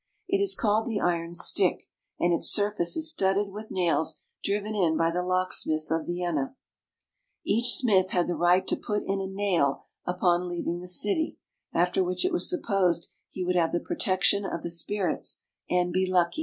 It is called the Iron Stick, and its surface is studded with nails driven in by the locksmiths of Vienna. According to our guide, each smith had the right to put in a nail upon leaving the city, after which it was supposed he would have the protection of the spirits and be lucky.